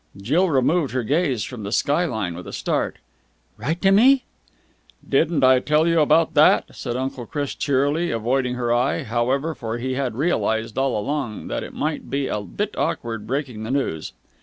Jill removed her gaze from the sky line with a start. "Write to me?" "Didn't I tell you about that?" said Uncle Chris cheerily avoiding her eye, however, for he had realized all along that it might be a little bit awkward breaking the news.